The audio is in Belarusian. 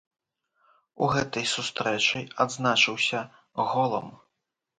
У гэтай сустрэчы адзначыўся голам.